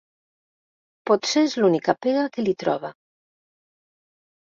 Potser és l'única pega que li troba.